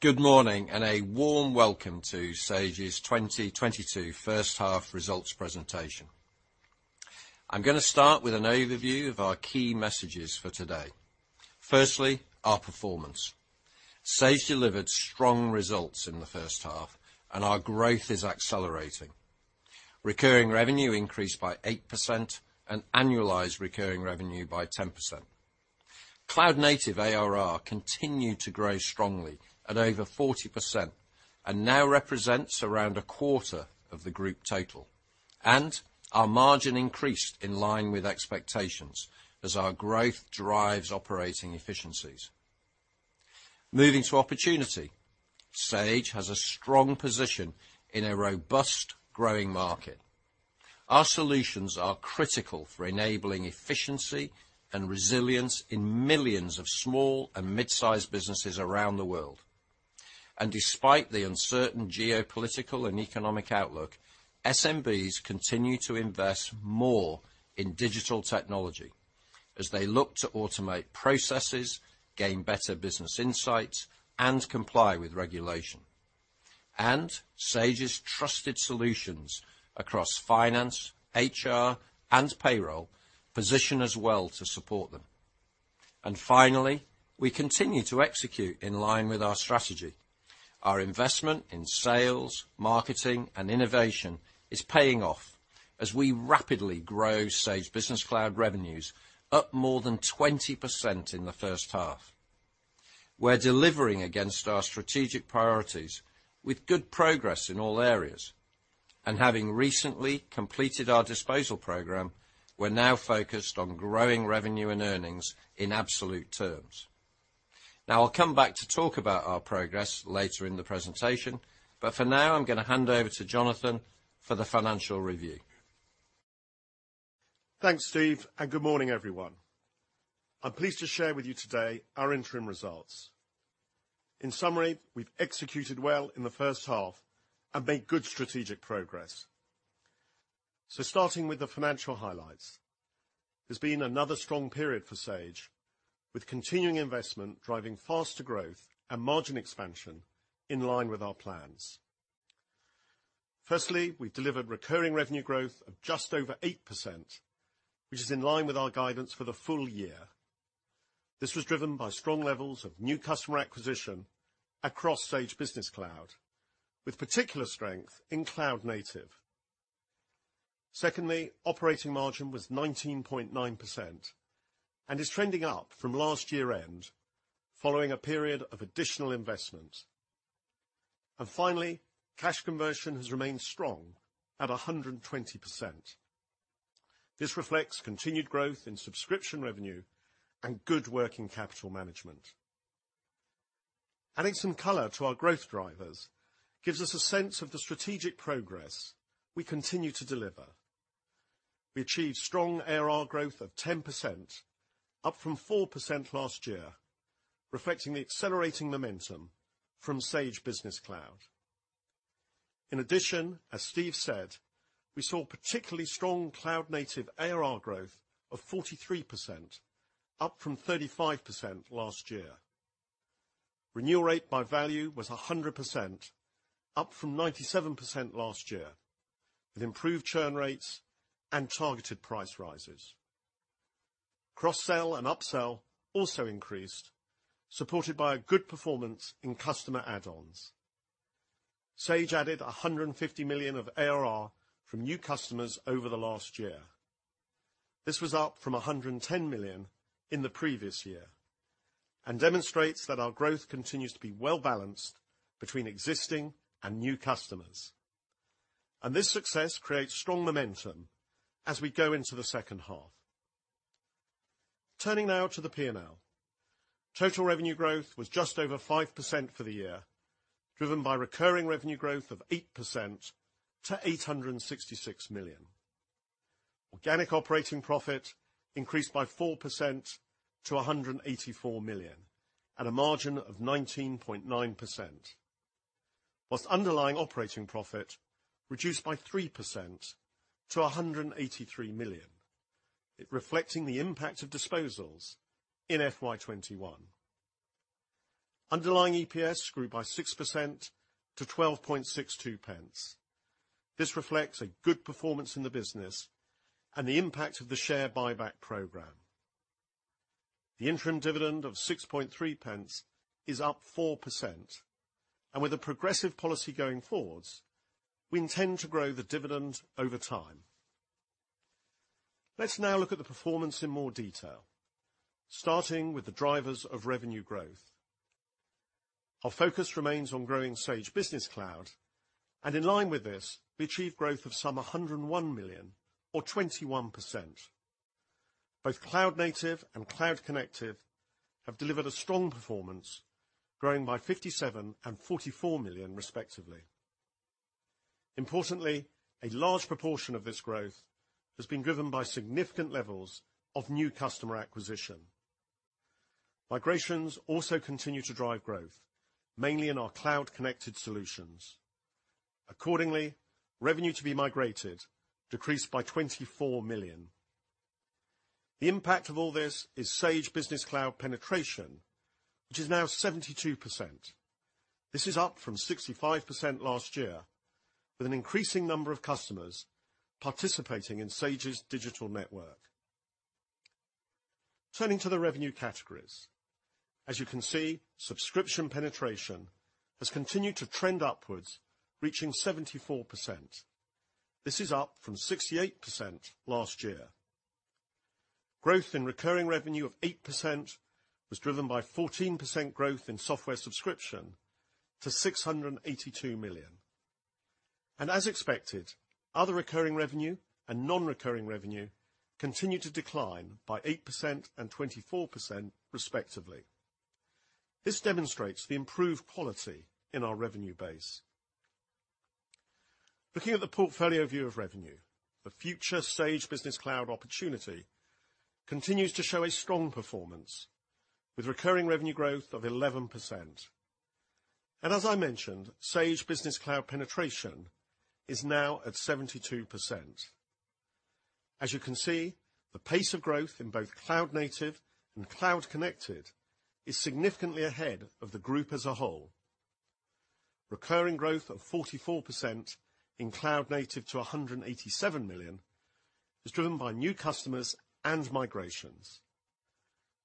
Good morning and a warm welcome to Sage's 2022 First Half Results Presentation. I'm gonna start with an overview of our key messages for today. Firstly, our performance. Sage delivered strong results in the first half, and our growth is accelerating. Recurring revenue increased by 8% and annualized recurring revenue by 10%. Cloud native ARR continued to grow strongly at over 40% and now represents around a quarter of the group total. Our margin increased in line with expectations as our growth drives operating efficiencies. Moving to opportunity, Sage has a strong position in a robust growing market. Our solutions are critical for enabling efficiency and resilience in millions of small and mid-sized businesses around the world. Despite the uncertain geopolitical and economic outlook, SMBs continue to invest more in digital technology as they look to automate processes, gain better business insights, and comply with regulation. Sage's trusted solutions across finance, HR, and payroll position us well to support them. Finally, we continue to execute in line with our strategy. Our investment in sales, marketing, and innovation is paying off as we rapidly grow Sage Business Cloud revenues up more than 20% in the first half. We're delivering against our strategic priorities with good progress in all areas. Having recently completed our disposal program, we're now focused on growing revenue and earnings in absolute terms. Now, I'll come back to talk about our progress later in the presentation, but for now I'm gonna hand over to Jonathan for the financial review. Thanks, Steve, and good morning, everyone. I'm pleased to share with you today our interim results. In summary, we've executed well in the first half and made good strategic progress. Starting with the financial highlights, it's been another strong period for Sage, with continuing investment driving faster growth and margin expansion in line with our plans. Firstly, we've delivered recurring revenue growth of just over 8%, which is in line with our guidance for the full year. This was driven by strong levels of new customer acquisition across Sage Business Cloud, with particular strength in cloud native. Secondly, operating margin was 19.9% and is trending up from last year-end, following a period of additional investment. Finally, cash conversion has remained strong at 120%. This reflects continued growth in subscription revenue and good working capital management. Adding some color to our growth drivers gives us a sense of the strategic progress we continue to deliver. We achieved strong ARR growth of 10%, up from 4% last year, reflecting the accelerating momentum from Sage Business Cloud. In addition, as Steve said, we saw particularly strong cloud native ARR growth of 43%, up from 35% last year. Renewal rate by value was 100%, up from 97% last year, with improved churn rates and targeted price rises. Cross-sell and up-sell also increased, supported by a good performance in customer add-ons. Sage added 150 million of ARR from new customers over the last year. This was up from 110 million in the previous year, and demonstrates that our growth continues to be well-balanced between existing and new customers. This success creates strong momentum as we go into the second half. Turning now to the P&L. Total revenue growth was just over 5% for the year, driven by recurring revenue growth of 8% to 866 million. Organic operating profit increased by 4% to 184 million at a margin of 19.9%, while underlying operating profit reduced by 3% to 183 million, reflecting the impact of disposals in FY21. Underlying EPS grew by 6% to 0.1262. This reflects a good performance in the business and the impact of the share buyback program. The interim dividend of 0.063 is up 4%, and with a progressive policy going forward, we intend to grow the dividend over time. Let's now look at the performance in more detail, starting with the drivers of revenue growth. Our focus remains on growing Sage Business Cloud, and in line with this, we achieved growth of some 101 million or 21%. Both Cloud Native and Cloud Connected have delivered a strong performance, growing by 57 million and 44 million respectively. Importantly, a large proportion of this growth has been driven by significant levels of new customer acquisition. Migrations also continue to drive growth, mainly in our Cloud Connected solutions. Accordingly, revenue to be migrated decreased by 24 million. The impact of all this is Sage Business Cloud penetration, which is now 72%. This is up from 65% last year, with an increasing number of customers participating in Sage's digital network. Turning to the revenue categories. As you can see, subscription penetration has continued to trend upwards, reaching 74%. This is up from 68% last year. Growth in recurring revenue of 8% was driven by 14% growth in software subscription to 682 million. As expected, other recurring revenue and non-recurring revenue continued to decline by 8% and 24% respectively. This demonstrates the improved quality in our revenue base. Looking at the portfolio view of revenue, the future Sage Business Cloud opportunity continues to show a strong performance, with recurring revenue growth of 11%. As I mentioned, Sage Business Cloud penetration is now at 72%. As you can see, the pace of growth in both cloud native and cloud connected is significantly ahead of the group as a whole. Recurring growth of 44% in cloud native to 187 million is driven by new customers and migrations.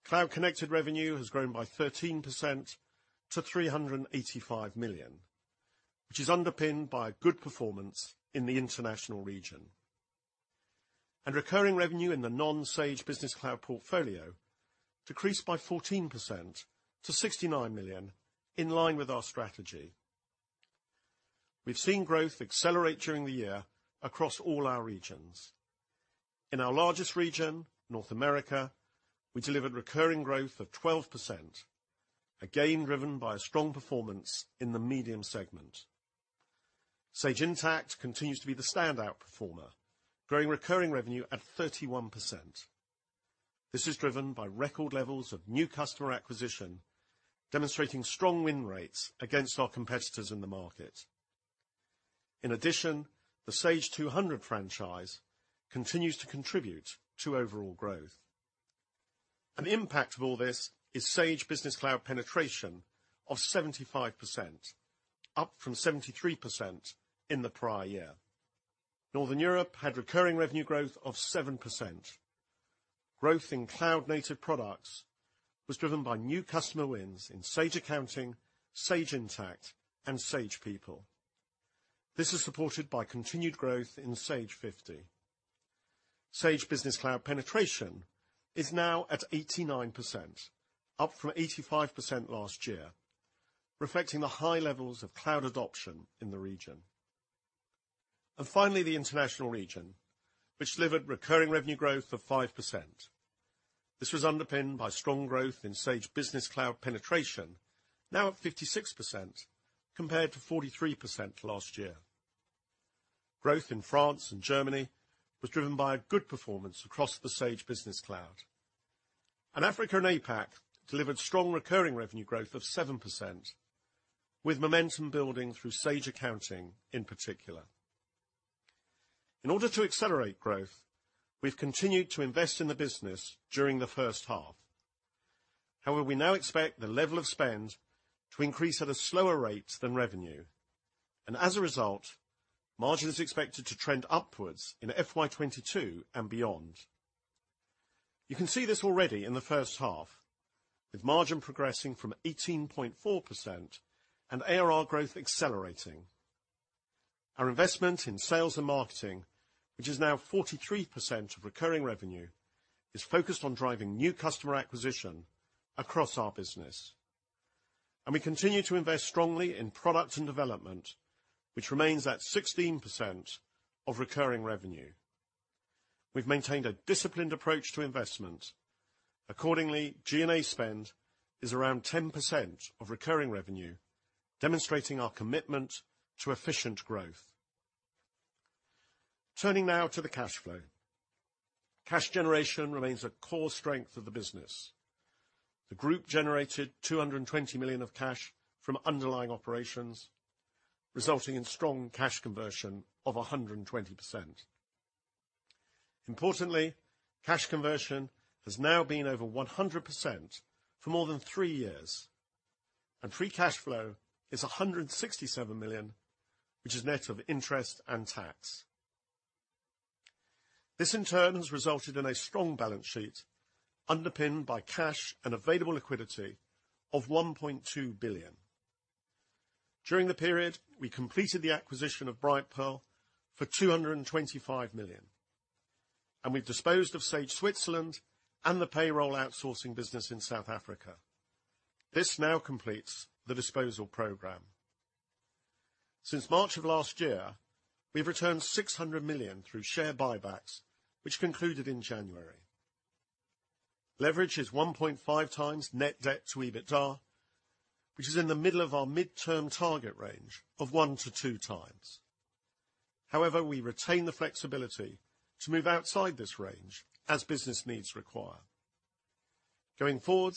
Cloud-connected revenue has grown by 13% to 385 million, which is underpinned by good performance in the international region. Recurring revenue in the non-Sage Business Cloud portfolio decreased by 14% to 69 million, in line with our strategy. We've seen growth accelerate during the year across all our regions. In our largest region, North America, we delivered recurring growth of 12%, again, driven by a strong performance in the medium segment. Sage Intacct continues to be the standout performer, growing recurring revenue at 31%. This is driven by record levels of new customer acquisition, demonstrating strong win rates against our competitors in the market. In addition, the Sage 200 franchise continues to contribute to overall growth. An impact of all this is Sage Business Cloud penetration of 75%, up from 73% in the prior year. Northern Europe had recurring revenue growth of 7%. Growth in cloud-native products was driven by new customer wins in Sage Accounting, Sage Intacct, and Sage People. This is supported by continued growth in Sage 50. Sage Business Cloud penetration is now at 89%, up from 85% last year, reflecting the high levels of cloud adoption in the region. Finally, the international region, which delivered recurring revenue growth of 5%. This was underpinned by strong growth in Sage Business Cloud penetration, now at 56%, compared to 43% last year. Growth in France and Germany was driven by a good performance across the Sage Business Cloud. Africa and APAC delivered strong recurring revenue growth of 7%, with momentum building through Sage Accounting in particular. In order to accelerate growth, we've continued to invest in the business during the first half. However, we now expect the level of spend to increase at a slower rate than revenue. As a result, margin is expected to trend upwards in FY22 and beyond. You can see this already in the first half, with margin progressing from 18.4% and ARR growth accelerating. Our investment in sales and marketing, which is now 43% of recurring revenue, is focused on driving new customer acquisition across our business. We continue to invest strongly in product and development, which remains at 16% of recurring revenue. We've maintained a disciplined approach to investment. Accordingly, G&A spend is around 10% of recurring revenue, demonstrating our commitment to efficient growth. Turning now to the cash flow. Cash generation remains a core strength of the business. The group generated 220 million of cash from underlying operations, resulting in strong cash conversion of 120%. Importantly, cash conversion has now been over 100% for more than three years, and free cash flow is 167 million, which is net of interest and tax. This in turn has resulted in a strong balance sheet underpinned by cash and available liquidity of 1.2 billion. During the period, we completed the acquisition of Brightpearl for 225 million, and we've disposed of Sage Switzerland and the payroll outsourcing business in South Africa. This now completes the disposal program. Since March of last year, we've returned 600 million through share buybacks, which concluded in January. Leverage is 1.5 times net debt to EBITDA, which is in the middle of our midterm target range of one to two times. However, we retain the flexibility to move outside this range as business needs require. Going forward,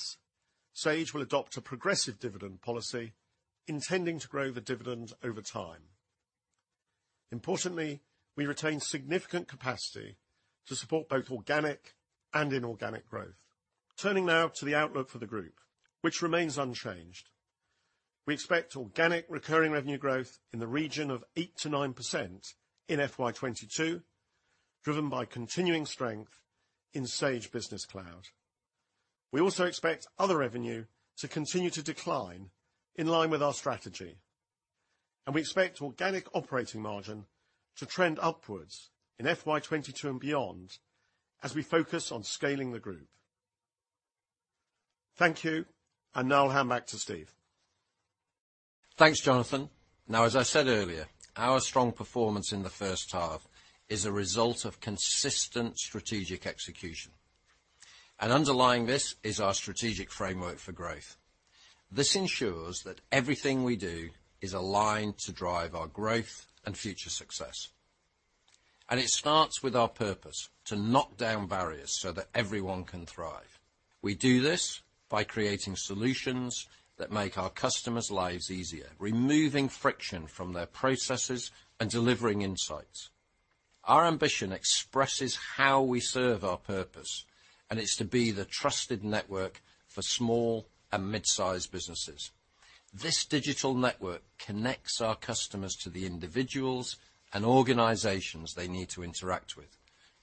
Sage will adopt a progressive dividend policy intending to grow the dividend over time. Importantly, we retain significant capacity to support both organic and inorganic growth. Turning now to the outlook for the group, which remains unchanged. We expect organic recurring revenue growth in the region of 8%-9% in FY22, driven by continuing strength in Sage Business Cloud. We also expect other revenue to continue to decline in line with our strategy, and we expect organic operating margin to trend upwards in FY22 and beyond as we focus on scaling the group. Thank you, and now I'll hand back to Steve. Thanks, Jonathan. Now as I said earlier, our strong performance in the first half is a result of consistent strategic execution. Underlying this is our strategic framework for growth. This ensures that everything we do is aligned to drive our growth and future success. It starts with our purpose, to knock down barriers so that everyone can thrive. We do this by creating solutions that make our customers' lives easier, removing friction from their processes and delivering insights. Our ambition expresses how we serve our purpose, and it's to be the trusted network for small and mid-sized businesses. This digital network connects our customers to the individuals and organizations they need to interact with,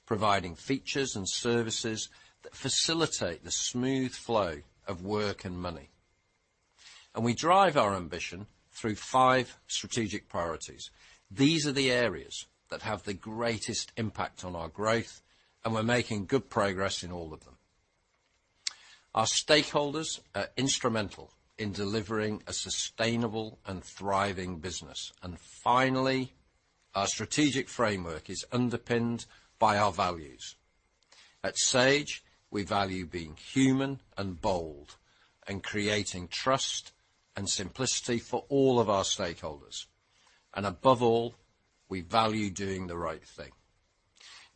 providing features and services that facilitate the smooth flow of work and money. We drive our ambition through five strategic priorities. These are the areas that have the greatest impact on our growth, and we're making good progress in all of them. Our stakeholders are instrumental in delivering a sustainable and thriving business. Finally, our strategic framework is underpinned by our values. At Sage, we value being human and bold, and creating trust and simplicity for all of our stakeholders. Above all, we value doing the right thing.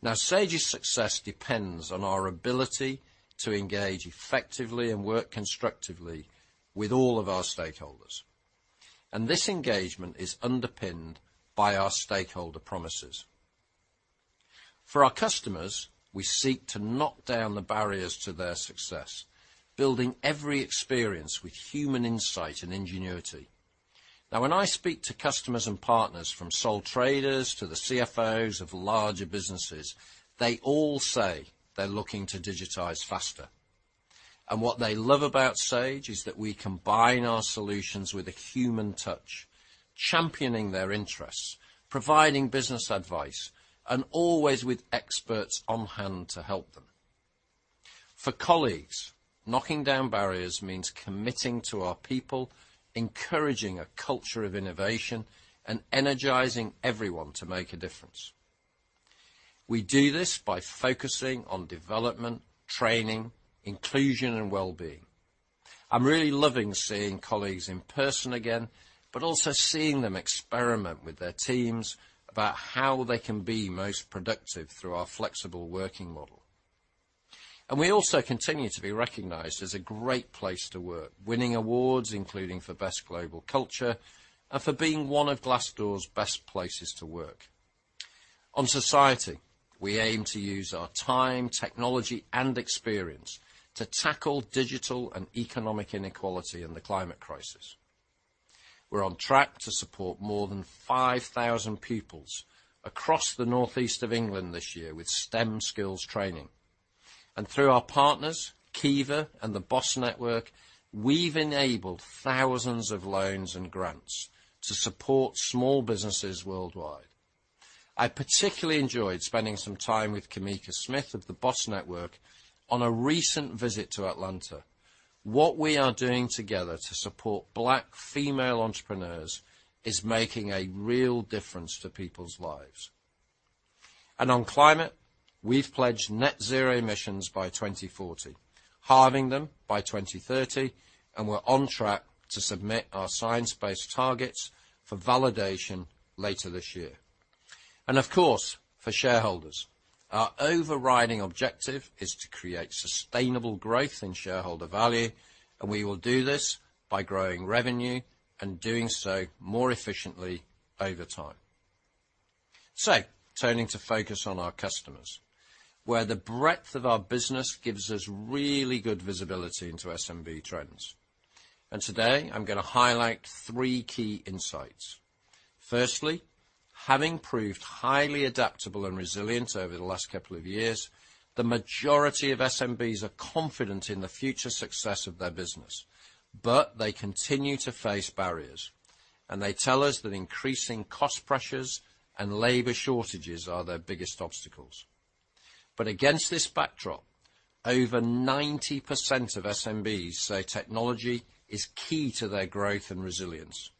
Now Sage's success depends on our ability to engage effectively and work constructively with all of our stakeholders. This engagement is underpinned by our stakeholder promises. For our customers, we seek to knock down the barriers to their success, building every experience with human insight and ingenuity. Now when I speak to customers and partners from sole traders to the CFOs of larger businesses, they all say they're looking to digitize faster. What they love about Sage is that we combine our solutions with a human touch, championing their interests, providing business advice, and always with experts on-hand to help them. For colleagues, knocking down barriers means committing to our people, encouraging a culture of innovation, and energizing everyone to make a difference. We do this by focusing on development, training, inclusion, and wellbeing. I'm really loving seeing colleagues in person again, but also seeing them experiment with their teams about how they can be most productive through our flexible working model. We also continue to be recognized as a great place to work, winning awards including for Best Global Culture, and for being one of Glassdoor's Best Places to Work. On society, we aim to use our time, technology, and experience to tackle digital and economic inequality and the climate crisis. We're on track to support more than 5,000 pupils across the North East of England this year with STEM skills training. Through our partners, Kiva and The BOSS Network, we've enabled thousands of loans and grants to support small businesses worldwide. I particularly enjoyed spending some time with Cameka Smith of The BOSS Network on a recent visit to Atlanta. What we are doing together to support Black female entrepreneurs is making a real difference to people's lives. On climate, we've pledged net zero emissions by 2040, halving them by 2030, and we're on track to submit our science-based targets for validation later this year. Of course, for shareholders, our overriding objective is to create sustainable growth in shareholder value, and we will do this by growing revenue and doing so more efficiently over time. Turning to focus on our customers, where the breadth of our business gives us really good visibility into SMB trends. Today I'm gonna highlight three key insights. Firstly, having proved highly adaptable and resilient over the last couple of years, the majority of SMBs are confident in the future success of their business. They continue to face barriers, and they tell us that increasing cost pressures and labor shortages are their biggest obstacles. Against this backdrop, over 90% of SMBs say technology is key to their growth and resilience,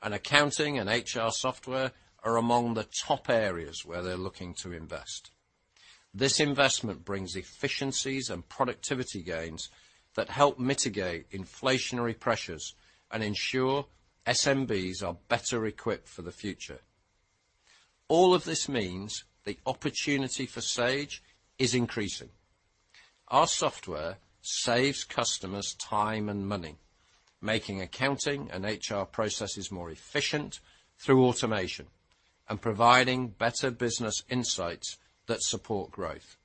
and accounting and HR software are among the top areas where they're looking to invest. This investment brings efficiencies and productivity gains that help mitigate inflationary pressures and ensure SMBs are better equipped for the future. All of this means the opportunity for Sage is increasing. Our software saves customers time and money, making accounting and HR processes more efficient through automation and providing better business insights that support growth.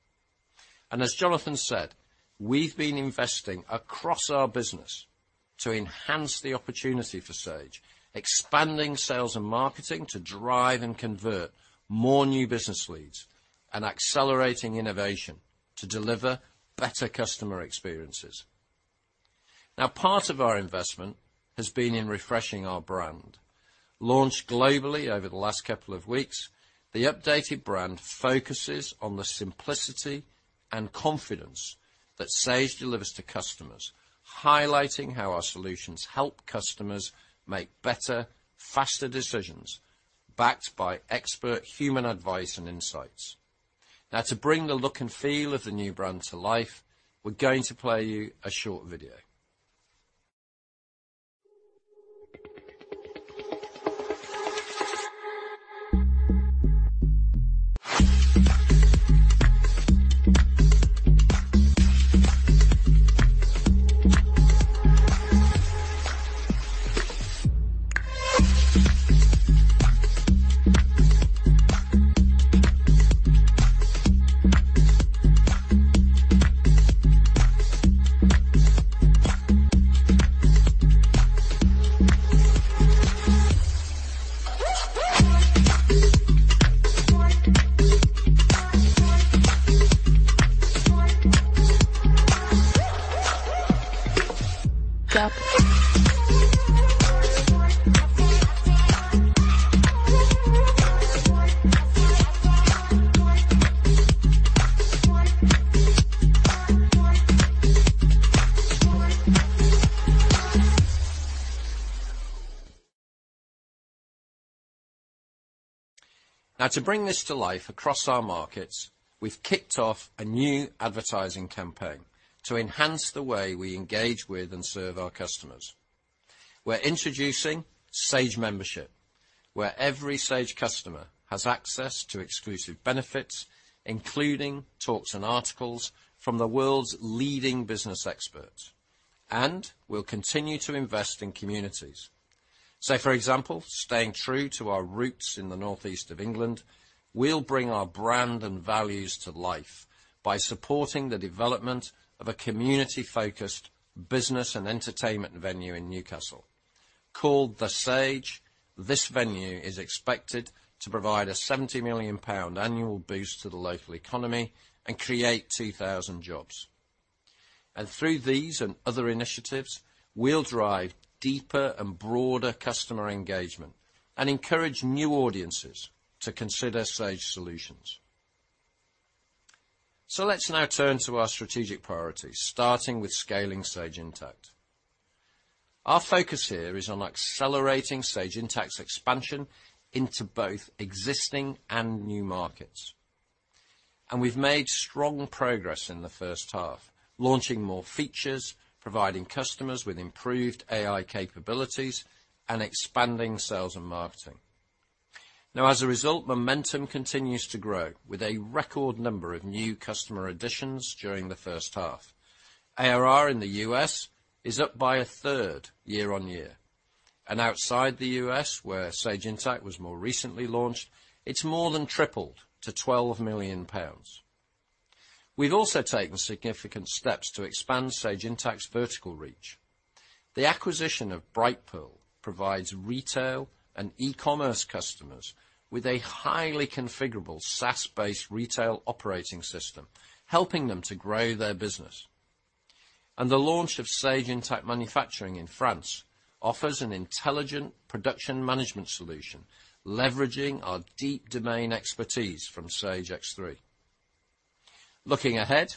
As Jonathan said, we've been investing across our business to enhance the opportunity for Sage, expanding sales and marketing to drive and convert more new business leads, and accelerating innovation to deliver better customer experiences. Now, part of our investment has been in refreshing our brand. Launched globally over the last couple of weeks, the updated brand focuses on the simplicity and confidence that Sage delivers to customers, highlighting how our solutions help customers make better, faster decisions, backed by expert human advice and insights. Now, to bring the look and feel of the new brand to life, we're going to play you a short video. Now, to bring this to life across our markets, we've kicked off a new advertising campaign to enhance the way we engage with and serve our customers. We're introducing Sage membership, where every Sage customer has access to exclusive benefits, including talks and articles from the world's leading business experts. We'll continue to invest in communities. Say, for example, staying true to our roots in the Northeast of England, we'll bring our brand and values to life by supporting the development of a community-focused business and entertainment venue in Newcastle. Called The Sage, this venue is expected to provide a 70 million pound annual boost to the local economy and create 2,000 jobs. Through these and other initiatives, we'll drive deeper and broader customer engagement and encourage new audiences to consider Sage solutions. Let's now turn to our strategic priorities, starting with scaling Sage Intacct. Our focus here is on accelerating Sage Intacct's expansion into both existing and new markets. We've made strong progress in the first half, launching more features, providing customers with improved AI capabilities, and expanding sales and marketing. Now, as a result, momentum continues to grow with a record number of new customer additions during the first half. ARR in the U.S. is up by a third year-over-year. Outside the U.S., where Sage Intacct was more recently launched, it's more than tripled to 12 million pounds. We've also taken significant steps to expand Sage Intacct's vertical reach. The acquisition of Brightpearl provides retail and e-commerce customers with a highly configurable SaaS-based retail operating system, helping them to grow their business. The launch of Sage Intacct Manufacturing in France offers an intelligent production management solution, leveraging our deep domain expertise from Sage X3. Looking ahead,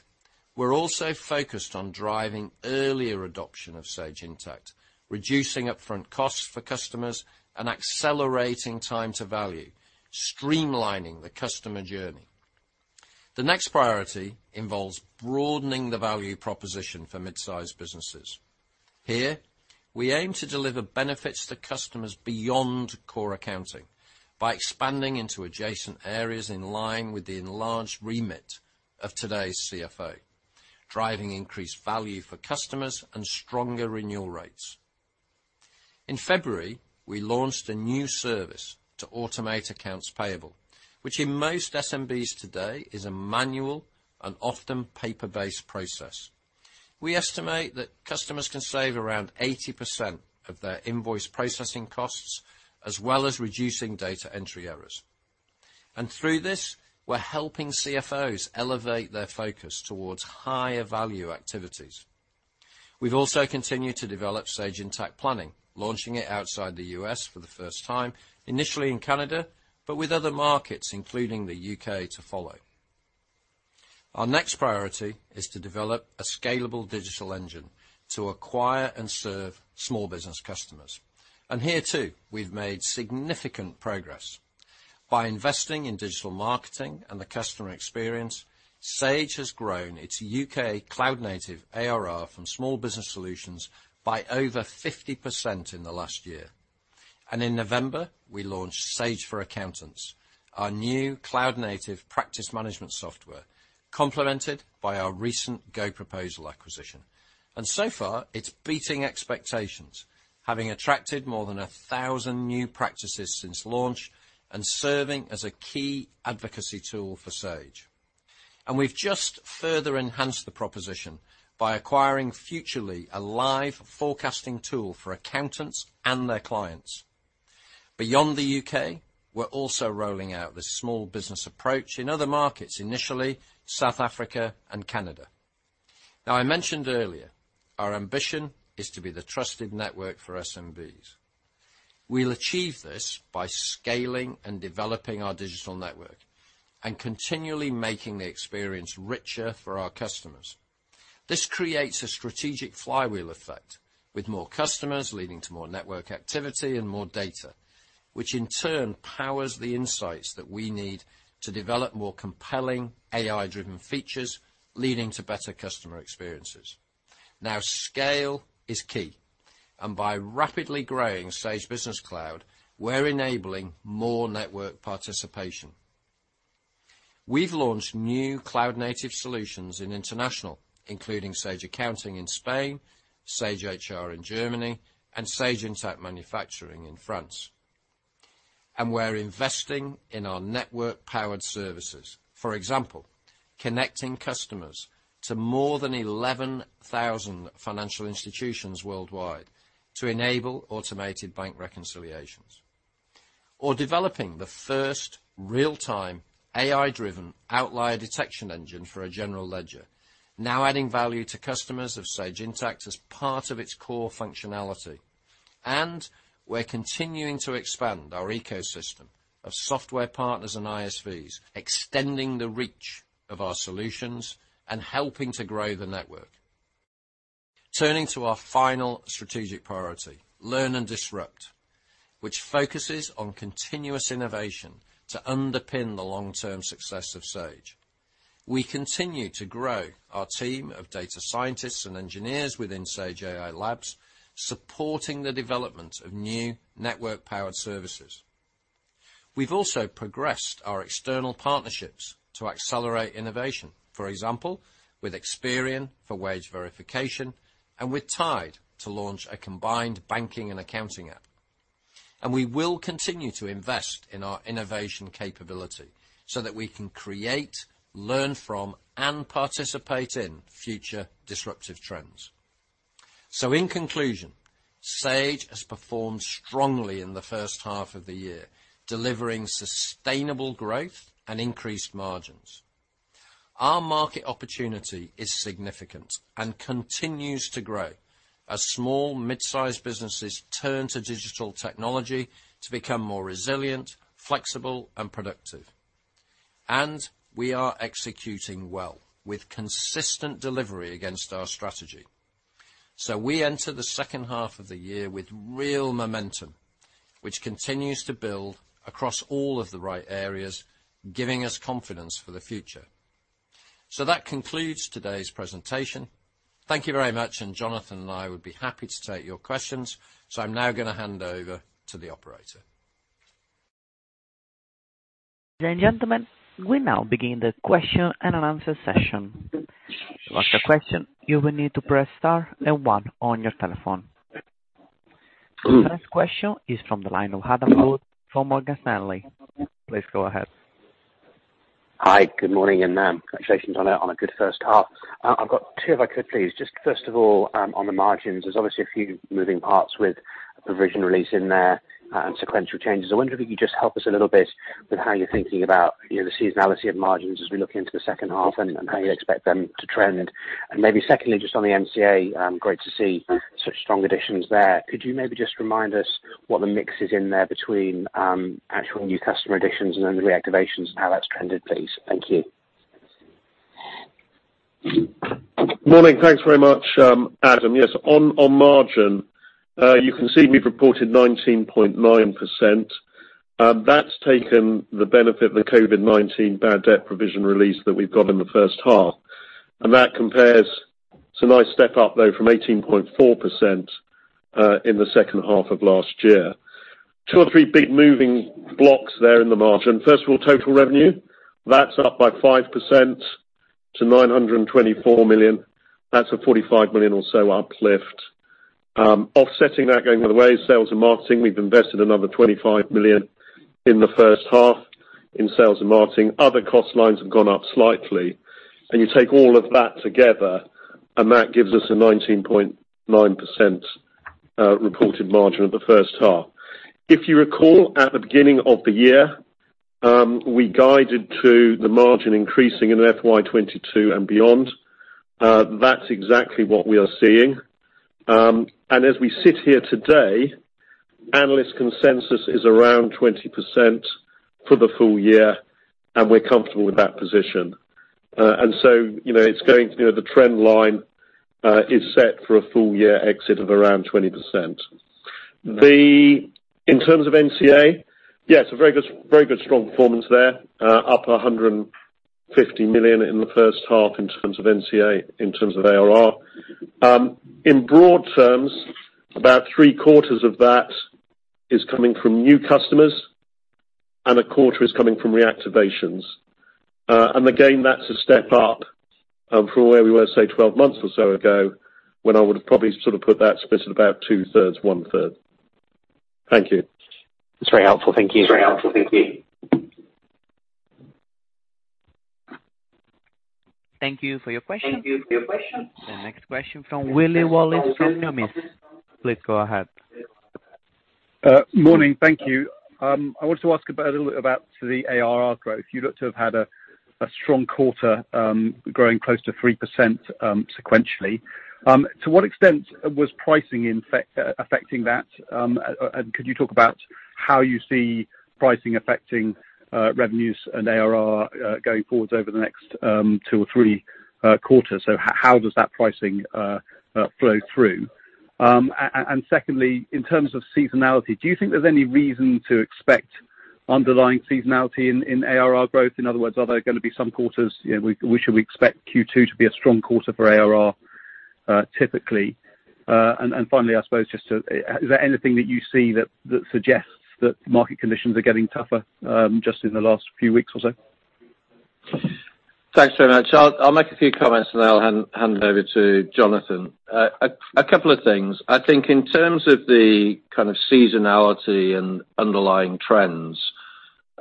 we're also focused on driving earlier adoption of Sage Intacct, reducing upfront costs for customers and accelerating time to value, streamlining the customer journey. The next priority involves broadening the value proposition for mid-size businesses. Here, we aim to deliver benefits to customers beyond core accounting by expanding into adjacent areas in line with the enlarged remit of today's CFO, driving increased value for customers and stronger renewal rates. In February, we launched a new service to automate accounts payable, which in most SMBs today is a manual and often paper-based process. We estimate that customers can save around 80% of their invoice processing costs, as well as reducing data entry errors. Through this, we're helping CFOs elevate their focus towards higher value activities. We've also continued to develop Sage Intacct Planning, launching it outside the U.S. for the first time, initially in Canada, but with other markets, including the U.K., to follow. Our next priority is to develop a scalable digital engine to acquire and serve small business customers. Here too, we've made significant progress. By investing in digital marketing and the customer experience, Sage has grown its U.K. cloud-native ARR from small business solutions by over 50% in the last year. In November, we launched Sage for Accountants, our new cloud-native practice management software, complemented by our recent GoProposal acquisition. So far, it's beating expectations, having attracted more than 1,000 new practices since launch and serving as a key advocacy tool for Sage. We've just further enhanced the proposition by acquiring Futrli, a live forecasting tool for accountants and their clients. Beyond the UK, we're also rolling out this small business approach in other markets, initially South Africa and Canada. Now, I mentioned earlier our ambition is to be the trusted network for SMBs. We'll achieve this by scaling and developing our digital network and continually making the experience richer for our customers. This creates a strategic flywheel effect, with more customers leading to more network activity and more data, which in turn powers the insights that we need to develop more compelling AI-driven features, leading to better customer experiences. Now scale is key, and by rapidly growing Sage Business Cloud, we're enabling more network participation. We've launched new cloud-native solutions in international, including Sage Accounting in Spain, Sage HR in Germany, and Sage Intacct Manufacturing in France. We're investing in our network-powered services. For example, connecting customers to more than 11,000 financial institutions worldwide to enable automated bank reconciliations. Developing the first real-time, AI-driven outlier detection engine for a general ledger, now adding value to customers of Sage Intacct as part of its core functionality. We're continuing to expand our ecosystem of software partners and ISVs, extending the reach of our solutions and helping to grow the network. Turning to our final strategic priority, learn and disrupt, which focuses on continuous innovation to underpin the long-term success of Sage. We continue to grow our team of data scientists and engineers within Sage AI Labs, supporting the development of new network-powered services. We've also progressed our external partnerships to accelerate innovation. For example, with Experian for wage verification, and with Tide to launch a combined banking and accounting app. We will continue to invest in our innovation capability so that we can create, learn from, and participate in future disruptive trends. In conclusion, Sage has performed strongly in the first half of the year, delivering sustainable growth and increased margins. Our market opportunity is significant and continues to grow as small and midsize businesses turn to digital technology to become more resilient, flexible, and productive. We are executing well with consistent delivery against our strategy. We enter the second half of the year with real momentum, which continues to build across all of the right areas, giving us confidence for the future. That concludes today's presentation. Thank you very much, and Jonathan and I would be happy to take your questions. I'm now gonna hand over to the operator. Ladies and gentlemen, we now begin the question and answer session. To ask a question, you will need to press star and one on your telephone. The first question is from the line of Adam Wood from Morgan Stanley. Please go ahead. Hi. Good morning, and congratulations on a good first half. I've got two if I could, please. Just first of all, on the margins, there's obviously a few moving parts with the provision release in there, and sequential changes. I wonder if you could just help us a little bit with how you're thinking about, you know, the seasonality of margins as we look into the second half and how you expect them to trend. Maybe secondly, just on the NCA, great to see such strong additions there. Could you maybe just remind us what the mix is in there between actual new customer additions and then the reactivations and how that's trended, please? Thank you. Morning. Thanks very much, Adam. Yes, on margin, you can see we've reported 19.9%. That's taken the benefit of the COVID-19 bad debt provision release that we've got in the first half. That compares to a nice step up, though, from 18.4% in the second half of last year. Two or three big moving blocks there in the margin. First of all, total revenue. That's up by 5% to 924 million. That's a 45 million or so uplift. Offsetting that by the way, sales and marketing. We've invested another 25 million in the first half in sales and marketing. Other cost lines have gone up slightly. You take all of that together, and that gives us a 19.9% reported margin for the first half. If you recall, at the beginning of the year, we guided to the margin increasing in FY22 and beyond. That's exactly what we are seeing. As we sit here today, analyst consensus is around 20% for the full year, and we're comfortable with that position. You know, the trend line is set for a full year exit of around 20%. In terms of NCA, yes, a very good strong performance there. Up 100 million and 50 million in the first half in terms of NCA, in terms of ARR. In broad terms, about three quarters of that is coming from new customers and a quarter is coming from reactivations. Again, that's a step up from where we were, say, 12 months or so ago, when I would have probably sort of put that split at about two-thirds, one-third. Thank you. It's very helpful. Thank you. Thank you for your question. The next question from Willy Wallace from Hermes. Please go ahead. Morning. Thank you. I want to ask about a little bit about the ARR growth. You look to have had a strong quarter growing close to 3%, sequentially. To what extent was pricing in fact affecting that? Could you talk about how you see pricing affecting revenues and ARR going forwards over the next two or three quarters? How does that pricing flow through? Secondly, in terms of seasonality, do you think there's any reason to expect underlying seasonality in ARR growth? In other words, are there gonna be some quarters, you know, should we expect Q2 to be a strong quarter for ARR typically? Finally, I suppose, just to...Is there anything that you see that suggests that market conditions are getting tougher, just in the last few weeks or so? Thanks very much. I'll make a few comments and then I'll hand over to Jonathan. A couple of things. I think in terms of the kind of seasonality and underlying trends,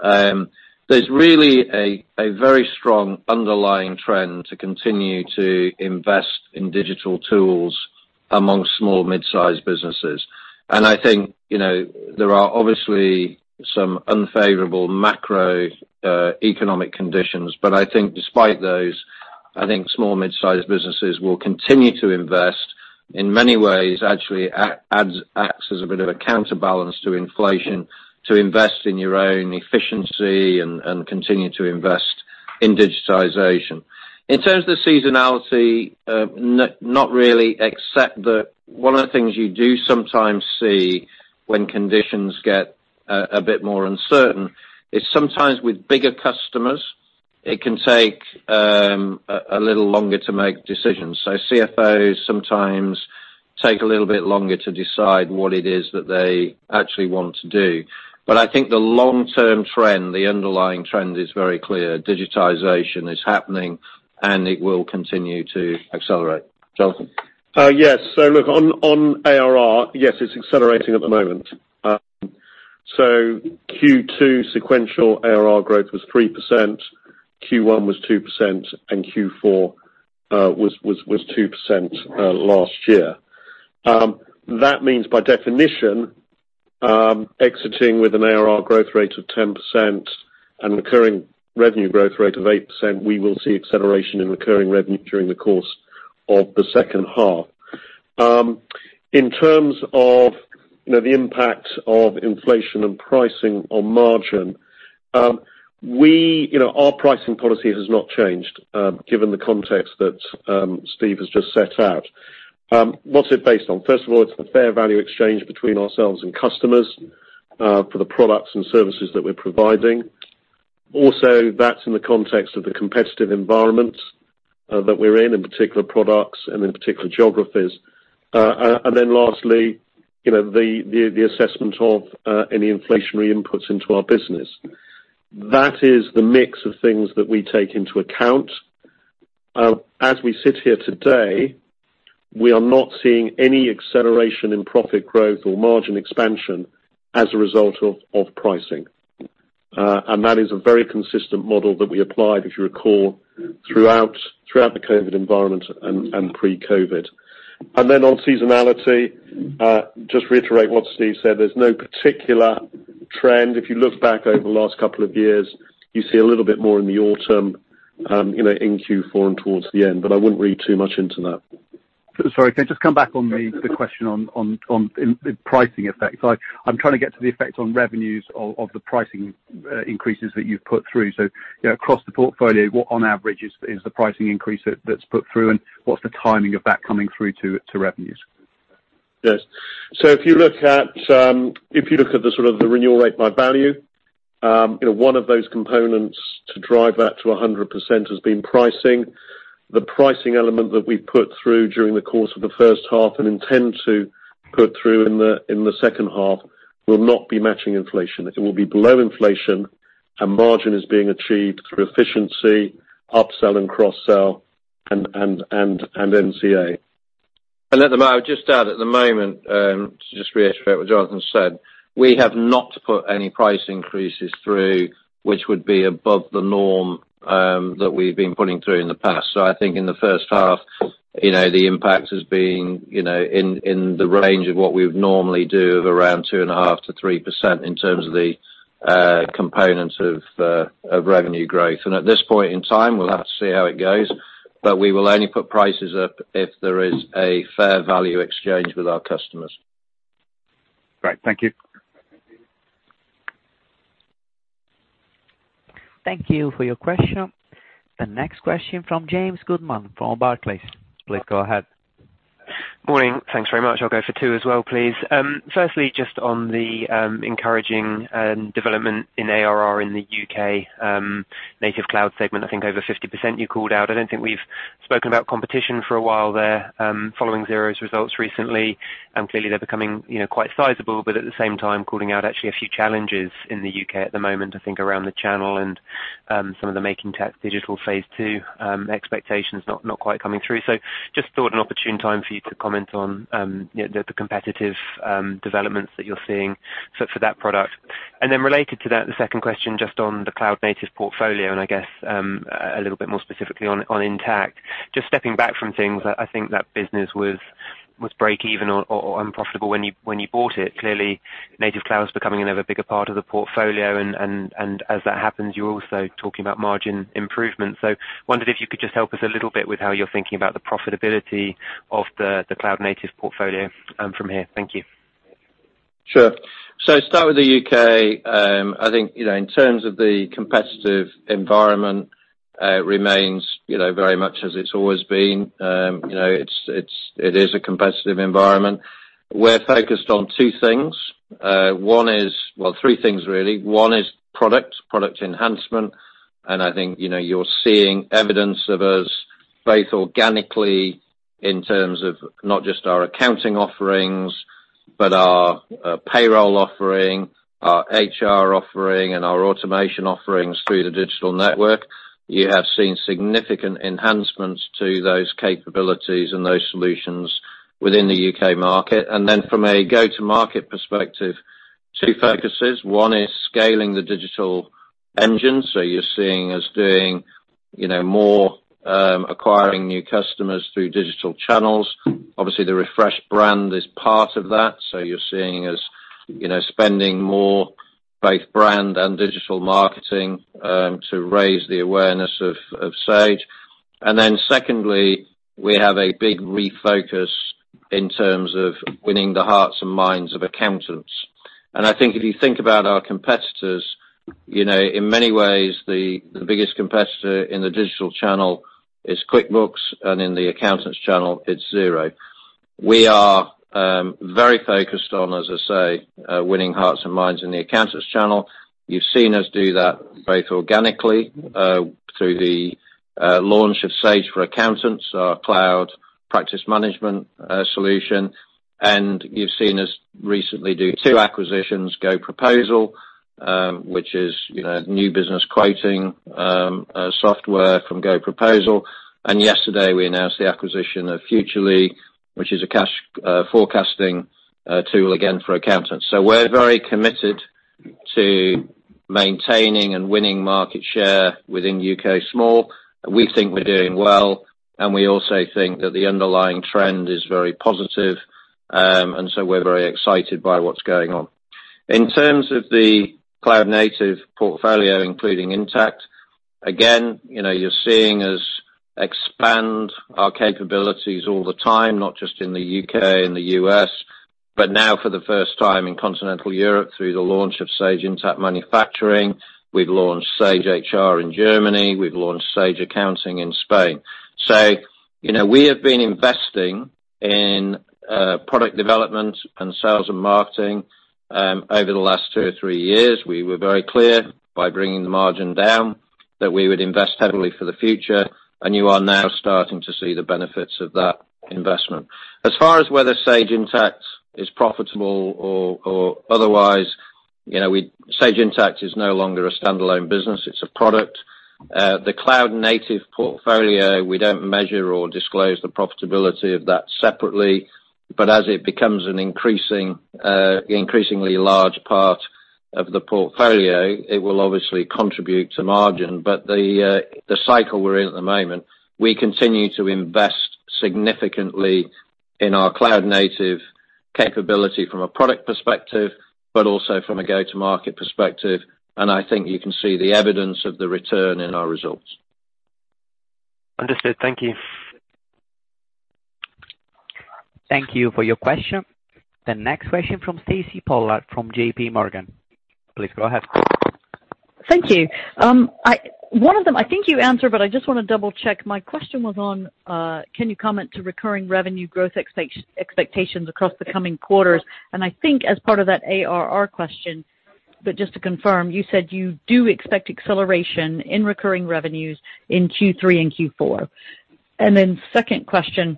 there's really a very strong underlying trend to continue to invest in digital tools among small and mid-sized businesses. I think, you know, there are obviously some unfavorable macroeconomic conditions. I think despite those, I think small and mid-sized businesses will continue to invest in many ways, actually acts as a bit of a counterbalance to inflation to invest in your own efficiency and continue to invest in digitization. In terms of seasonality, not really, except that one of the things you do sometimes see when conditions get a bit more uncertain is sometimes with bigger customers, it can take a little longer to make decisions. CFOs sometimes take a little bit longer to decide what it is that they actually want to do. I think the long-term trend, the underlying trend is very clear. Digitization is happening, and it will continue to accelerate. Jonathan. Yes. Look, on ARR, yes, it's accelerating at the moment. Q2 sequential ARR growth was 3%, Q1 was 2%, and Q4 was 2% last year. That means, by definition, exiting with an ARR growth rate of 10% and recurring revenue growth rate of 8%, we will see acceleration in recurring revenue during the course of the second half. In terms of, you know, the impact of inflation and pricing on margin, we, you know, our pricing policy has not changed, given the context that Steve has just set out. What's it based on? First of all, it's a fair value exchange between ourselves and customers for the products and services that we're providing. Also, that's in the context of the competitive environments that we're in particular products and in particular geographies. And then lastly, you know, the assessment of any inflationary inputs into our business. That is the mix of things that we take into account. As we sit here today, we are not seeing any acceleration in profit growth or margin expansion as a result of pricing. That is a very consistent model that we applied, if you recall, throughout the COVID environment and pre-COVID. On seasonality, just to reiterate what Steve said, there's no particular trend. If you look back over the last couple of years, you see a little bit more in the autumn, you know, in Q4 and towards the end, but I wouldn't read too much into that. Sorry. Can I just come back on the question on the pricing effect? I'm trying to get to the effect on revenues of the pricing increases that you've put through. You know, across the portfolio, what on average is the pricing increase that's put through, and what's the timing of that coming through to revenues? Yes. If you look at the sort of the renewal rate by value, you know, one of those components to drive that to 100% has been pricing. The pricing element that we put through during the course of the first half and intend to put through in the second half will not be matching inflation. It will be below inflation, and margin is being achieved through efficiency, upsell and cross-sell and NCA. At the moment, just to add, to just reiterate what Jonathan said, we have not put any price increases through which would be above the norm that we've been putting through in the past. I think in the first half, you know, the impact has been, you know, in the range of what we would normally do of around 2.5%-3% in terms of the components of revenue growth. At this point in time, we'll have to see how it goes, but we will only put prices up if there is a fair value exchange with our customers. Great. Thank you. Thank you for your question. The next question from James Goodman from Barclays. Please go ahead. Morning. Thanks very much. I'll go for two as well, please. Firstly, just on the encouraging development in ARR in the UK cloud native segment, I think over 50% you called out. I don't think we've spoken about competition for a while there, following Xero's results recently, and clearly they're becoming, you know, quite sizable, but at the same time, calling out actually a few challenges in the UK at the moment, I think, around the channel and some of the Making Tax Digital phase two expectations not quite coming through? Just thought an opportune time for you to comment on, you know, the competitive developments that you're seeing for that product. Then related to that, the second question just on the cloud native portfolio, and I guess a little bit more specifically on Intacct. Just stepping back from things, I think that business was breakeven or unprofitable when you bought it. Clearly, cloud native is becoming another bigger part of the portfolio, and as that happens, you're also talking about margin improvement. Wondered if you could just help us a little bit with how you're thinking about the profitability of the cloud native portfolio from here? Thank you. Sure. Start with the UK. I think, you know, in terms of the competitive environment remains, you know, very much as it's always been. It is a competitive environment. We're focused on two things. One is. Well, three things really. One is product enhancement. I think, you know, you're seeing evidence of us both organically in terms of not just our accounting offerings, but our payroll offering, our HR offering, and our automation offerings through the digital network. You have seen significant enhancements to those capabilities and those solutions within the UK market. From a go-to-market perspective, two focuses. One is scaling the digital engine, so you're seeing us doing, you know, more acquiring new customers through digital channels. Obviously, the refresh brand is part of that, so you're seeing us, you know, spending more both brand and digital marketing, to raise the awareness of Sage. Then secondly, we have a big refocus in terms of winning the hearts and minds of accountants. I think if you think about our competitors, you know, in many ways the biggest competitor in the digital channel is QuickBooks, and in the accountants channel, it's Xero. We are very focused on, as I say, winning hearts and minds in the accountants channel. You've seen us do that both organically, through the launch of Sage for Accountants, our cloud practice management solution. You've seen us recently do two acquisitions, GoProposal, which is, you know, new business quoting software from GoProposal. Yesterday we announced the acquisition of Futrli, which is a cash forecasting tool again for accountants. We're very committed to maintaining and winning market share within UK small. We think we're doing well, and we also think that the underlying trend is very positive, and so we're very excited by what's going on. In terms of the cloud native portfolio, including Sage Intacct, again, you know, you're seeing us expand our capabilities all the time, not just in the UK and the US, but now for the first time in continental Europe through the launch of Sage Intacct Manufacturing. We've launched Sage HR in Germany, we've launched Sage Accounting in Spain. You know, we have been investing in product development and sales and marketing over the last two or three years. We were very clear by bringing the margin down that we would invest heavily for the future, and you are now starting to see the benefits of that investment. As far as whether Sage Intacct is profitable or otherwise, you know, we, Sage Intacct is no longer a standalone business. It's a product. The cloud native portfolio, we don't measure or disclose the profitability of that separately, but as it becomes an increasingly large part of the portfolio, it will obviously contribute to margin. The cycle we're in at the moment, we continue to invest significantly in our cloud native capability from a product perspective, but also from a go-to-market perspective, and I think you can see the evidence of the return in our results. Understood. Thank you. Thank you for your question. The next question from Stacy Pollard from J.P. Morgan. Please go ahead. Thank you. One of them I think you answered, but I just wanna double-check. My question was on, can you comment to recurring revenue growth expectations across the coming quarters? I think as part of that ARR question, but just to confirm, you said you do expect acceleration in recurring revenues in Q3 and Q4. Second question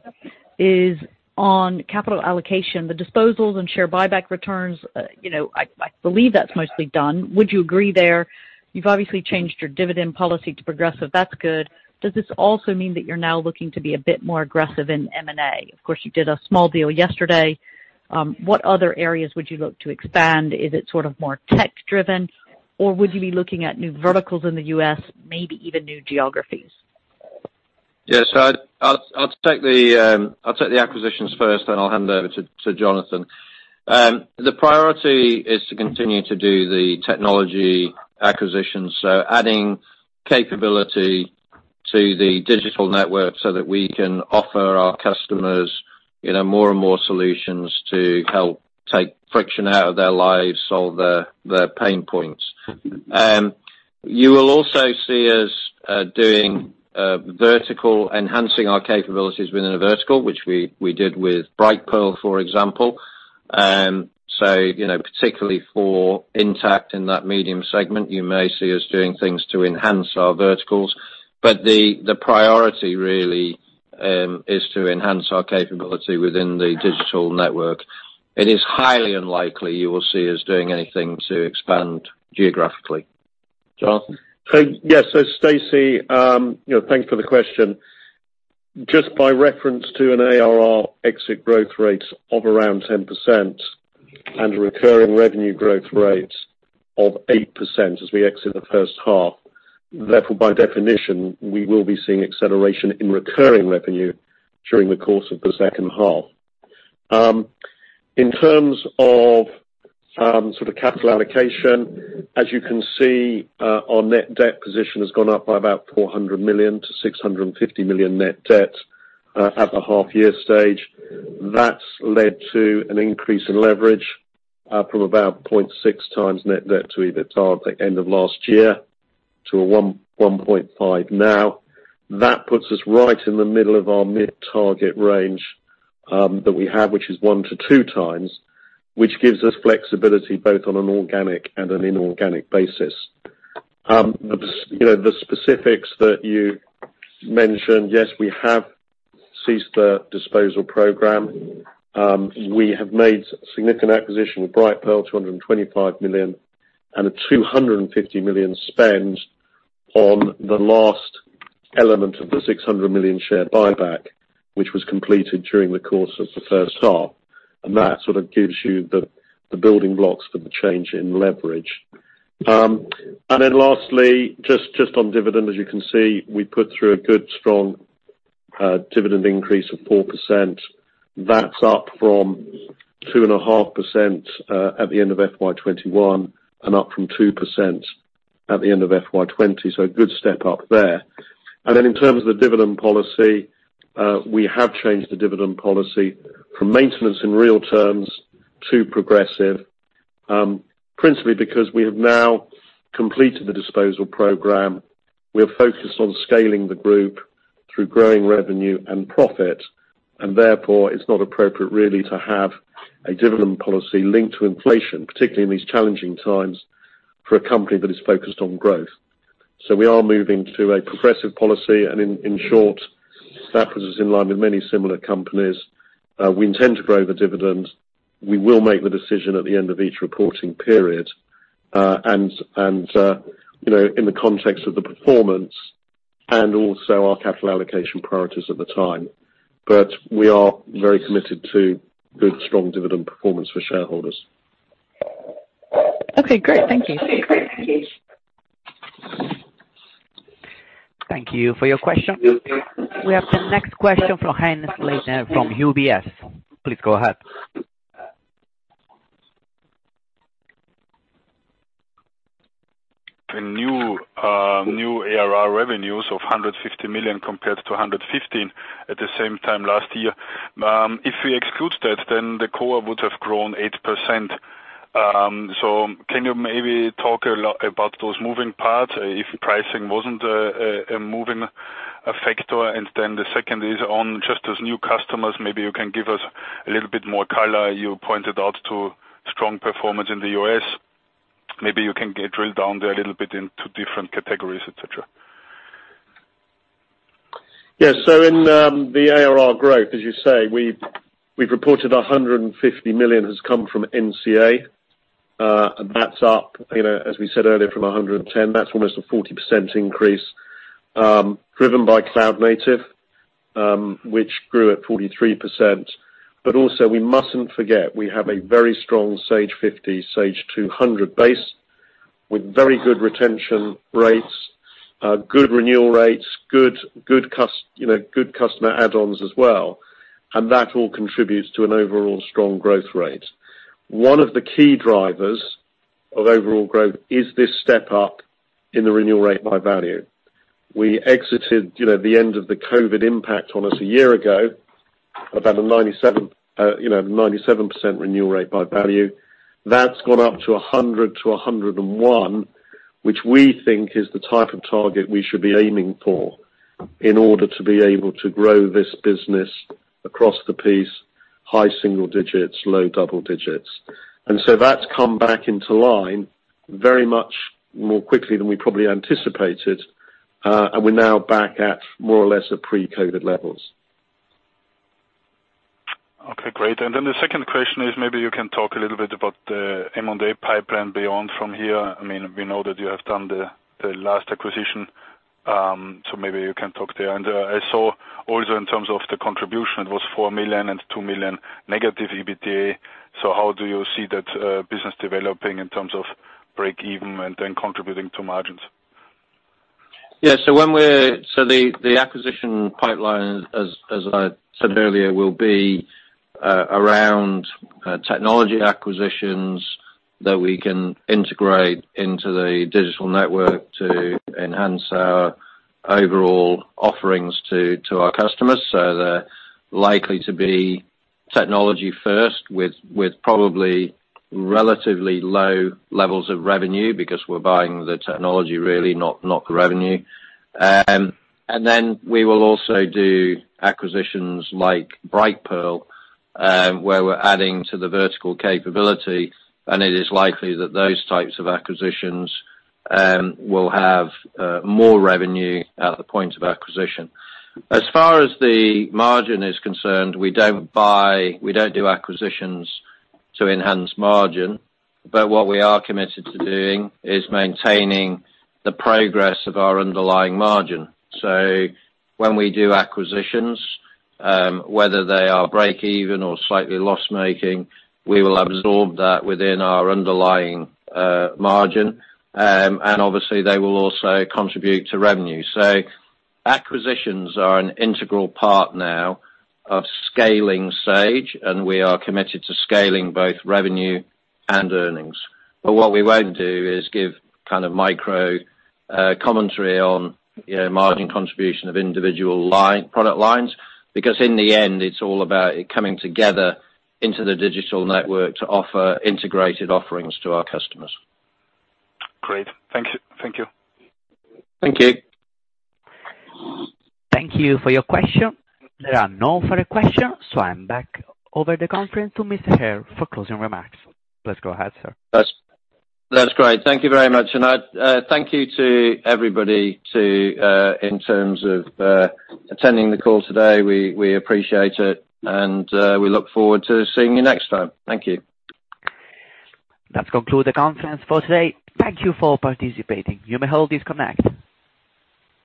is on capital allocation. The disposals and share buyback returns, you know, I believe that's mostly done. Would you agree there? You've obviously changed your dividend policy to progressive. That's good. Does this also mean that you're now looking to be a bit more aggressive in M&A? Of course, you did a small deal yesterday. What other areas would you look to expand? Is it sort of more tech-driven, or would you be looking at new verticals in the U.S., maybe even new geographies? I'll take the acquisitions first, then I'll hand over to Jonathan. The priority is to continue to do the technology acquisitions, so adding capability to the digital network so that we can offer our customers, you know, more and more solutions to help take friction out of their lives, solve their pain points. You will also see us enhancing our capabilities within a vertical, which we did with Brightpearl, for example. You know, particularly for Intacct in that medium segment, you may see us doing things to enhance our verticals. The priority really is to enhance our capability within the digital network. It is highly unlikely you will see us doing anything to expand geographically. Jonathan? Yes. Stacy, you know, thanks for the question. Just by reference to an ARR exit growth rate of around 10% and a recurring revenue growth rate of 8% as we exit the first half, therefore, by definition, we will be seeing acceleration in recurring revenue during the course of the second half. In terms of sort of capital allocation, as you can see, our net debt position has gone up by about 400 million to 650 million net debt at the half year stage. That's led to an increase in leverage from about 0.6x net debt to EBITDA at the end of last year to 1.5x now. That puts us right in the middle of our mid target range that we have, which is one to two times, which gives us flexibility both on an organic and an inorganic basis. You know, the specifics that you mentioned, yes, we have ceased the disposal program. We have made significant acquisition of Brightpearl, 225 million, and a 250 million spend on the last element of the 600 million share buyback, which was completed during the course of the first half. That sort of gives you the building blocks for the change in leverage. Then lastly, just on dividend, as you can see, we put through a good strong dividend increase of 4%. That's up from 2.5% at the end of FY21 and up from 2% at the end of FY20. A good step up there. Then in terms of the dividend policy, we have changed the dividend policy from maintenance in real terms to progressive, principally because we have now completed the disposal program. We are focused on scaling the group through growing revenue and profit, and therefore it's not appropriate really to have a dividend policy linked to inflation, particularly in these challenging times for a company that is focused on growth. We are moving to a progressive policy, and in short, that puts us in line with many similar companies. We intend to grow the dividend. We will make the decision at the end of each reporting period, and you know, in the context of the performance and also our capital allocation priorities at the time. But we are very committed to good, strong dividend performance for shareholders. Okay, great. Thank you. Thank you for your question. We have the next question from Heinz Luethen from UBS. Please go ahead. The new ARR revenues of 150 million compared to 115 million at the same time last year. If we exclude that, the core would have grown 8%. Can you maybe talk a lot about those moving parts if pricing wasn't a moving factor? Then the second is on just the new customers, maybe you can give us a little bit more color. You pointed out the strong performance in the U.S. Maybe you can drill down there a little bit into different categories, et cetera. Yes. In the ARR growth, as you say, we've reported 150 million has come from NCA. That's up, you know, as we said earlier, from 110. That's almost a 40% increase, driven by cloud native, which grew at 43%. We mustn't forget, we have a very strong Sage 50, Sage 200 base with very good retention rates, good renewal rates, good customer add-ons as well. That all contributes to an overall strong growth rate. One of the key drivers of overall growth is this step up in the renewal rate by value. We exited, you know, the end of the COVID impact on us a year ago about a 97% renewal rate by value. That's gone up to 100-101, which we think is the type of target we should be aiming for in order to be able to grow this business across the piece, high single-digit%, low double-digit%. That's come back into line very much more quickly than we probably anticipated, and we're now back at more or less pre-COVID levels. Okay, great. Then the second question is maybe you can talk a little bit about the M&A pipeline beyond from here. I mean, we know that you have done the last acquisition, so maybe you can talk there. I saw also in terms of the contribution was 4 million and 2 million negative EBITDA. How do you see that business developing in terms of break even and then contributing to margins? Yeah. The acquisition pipeline, as I said earlier, will be around technology acquisitions that we can integrate into the digital network to enhance our Overall offerings to our customers. They're likely to be technology first with probably relatively low levels of revenue because we're buying the technology really not the revenue. Then we will also do acquisitions like Brightpearl, where we're adding to the vertical capability, and it is likely that those types of acquisitions will have more revenue at the point of acquisition. As far as the margin is concerned, we don't do acquisitions to enhance margin, but what we are committed to doing is maintaining the progress of our underlying margin. When we do acquisitions, whether they are break even or slightly loss-making, we will absorb that within our underlying margin. Obviously, they will also contribute to revenue. Acquisitions are an integral part now of scaling Sage, and we are committed to scaling both revenue and earnings. What we won't do is give kind of micro commentary on, you know, margin contribution of individual product lines, because in the end, it's all about it coming together into the digital network to offer integrated offerings to our customers. Great. Thank you. Thank you. Thank you. Thank you for your question. There are no further questions. I'm back over the conference to Mr. Hare for closing remarks. Please go ahead, sir. That's great. Thank you very much. Thank you to everybody in terms of attending the call today. We appreciate it, and we look forward to seeing you next time. Thank you. That concludes the conference for today. Thank you for participating. You may all disconnect.